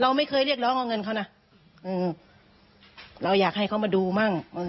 ไม่เคยเรียกร้องเอาเงินเขานะอืมเราอยากให้เขามาดูมั่ง